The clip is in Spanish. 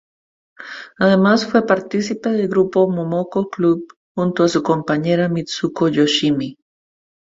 Además fue participe del grupo Momoko Club, junto a su compañera Mitsuko Yoshimi.